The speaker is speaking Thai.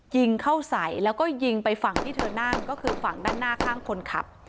ยิงเข้าใส่แล้วก็ยิงไปฝั่งที่เธอนั่งก็คือฝั่งด้านหน้าข้างคนขับ